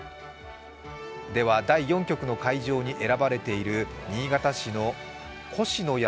では第４局の会場に選ばれている新潟市の高志の宿